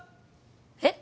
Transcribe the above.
えっ？